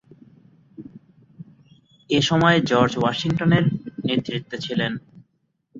এসময় George Washington এর নেতৃত্বে ছিলেন।